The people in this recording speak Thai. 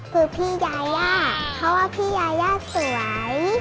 คือพี่ยาย่าเพราะว่าพี่ยาย่าสวย